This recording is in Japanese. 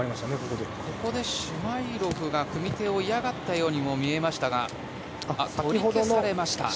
ここでシュマイロフが組み手を嫌がったようにも見えましたが取り消されましたね。